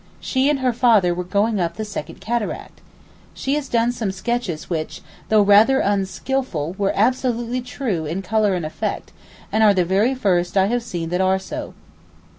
She and her father were going up the second cataract. She has done some sketches which, though rather unskilful, were absolutely true in colour and effect, and are the very first that I have seen that are so.